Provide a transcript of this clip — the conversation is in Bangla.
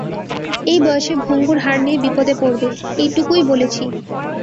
এই বয়সে ভঙ্গুর হাঁড় নিয়ে বিপদে পড়বে, এটুকুই বলছি।